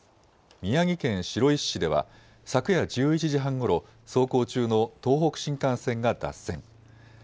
宮城県白石市では昨夜１１時半ごろ、走行中の東北新幹線が脱線。